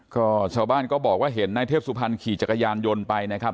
ก็ชาวบ้านก็บอกว่าเห็นนายเทพสุพรรณขี่จักรยานยนต์ไปนะครับ